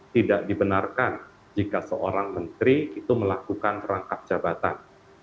tidak dibenarkan jika seorang menteri itu melakukan rangkap jabatan